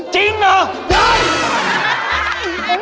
จริงเหรอ